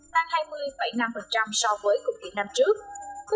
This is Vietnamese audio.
tăng hai mươi năm so với cùng kỳ năm trước